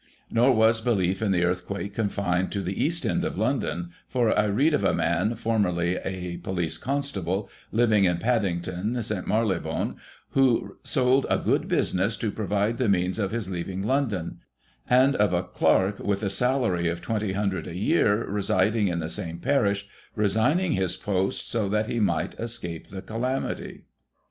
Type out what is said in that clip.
Nor was belief in the earth quake confined to the east end of London, for I read of a man, formerly a police constable, living in Paddington, St. Marylebone, who sold a good business to provide the means of his leaving London ; and of a clerk, with a salary of ;£'20C a year, residing in the same parish, resigning his post, so that he might escape the calamity.